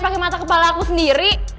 pakai mata kepala aku sendiri